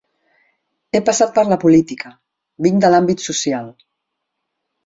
He passat per la política, vinc de l’àmbit social.